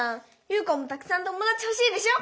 優花もたくさんともだちほしいでしょ？